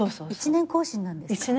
１年更新なんですか？